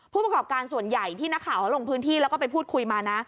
ผู้ประกอบการส่วนใหญ่ที่นักข่าวเขาลงพื้นที่แล้วก็ไปพูดคุยมานะ